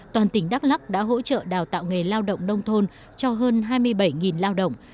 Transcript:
toàn tỉnh đắk lắc đã hỗ trợ đào tạo nghề lao động nông thôn cho hơn hai mươi bảy lao động